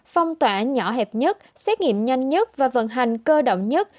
lãnh nhỏ hẹp nhất xét nghiệm nhanh nhất và vận hành cơ động nhất